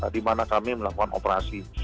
di mana kami melakukan operasi